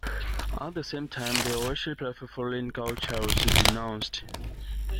At the same time the "worship" of foreign culture was denounced.